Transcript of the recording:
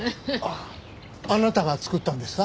あなたが作ったんですか？